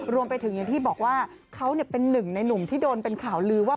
อย่างที่บอกว่าเขาเป็นหนึ่งในหนุ่มที่โดนเป็นข่าวลือว่า